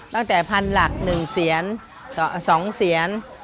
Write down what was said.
ตั้งแต่พันหลัก๑เสียน๒เสียน